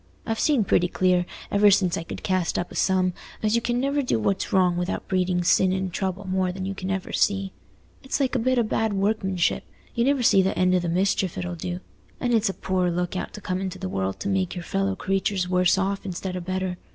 I've seen pretty clear, ever since I could cast up a sum, as you can never do what's wrong without breeding sin and trouble more than you can ever see. It's like a bit o' bad workmanship—you never see th' end o' the mischief it'll do. And it's a poor look out to come into the world to make your fellow creatures worse off instead o' better.